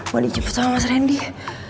mau dijemput sama mas rendy